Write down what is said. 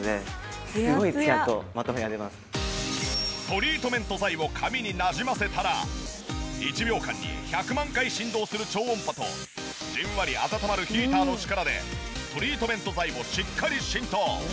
トリートメント剤を髪になじませたら１秒間に１００万回振動する超音波とじんわり温まるヒーターの力でトリートメント剤をしっかり浸透。